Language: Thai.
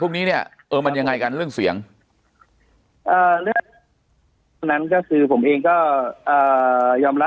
พวกนี้เนี่ยเออมันยังไงกันเรื่องเสียงเรื่องนั้นก็คือผมเองก็ยอมรับ